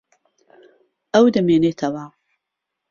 ئەو دەمێنێتەوە.